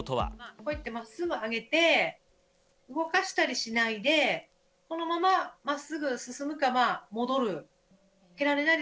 こうやってまっすぐ上げて、動かしたりしないで、このまままっすぐ進むか、戻る。